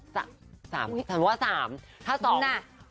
๓ฉันว่า๓